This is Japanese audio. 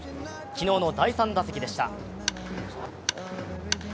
昨日の第３打席でした。